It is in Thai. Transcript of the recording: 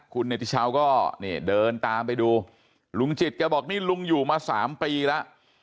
คุณเนติชาวก็นี่เดินตามไปดูลุงจิตแกบอกนี่ลุงอยู่มา๓ปีแล้ว